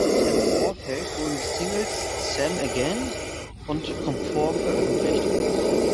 Im Vorfeld wurden die Singles "Same Again" und "Comfort" veröffentlicht.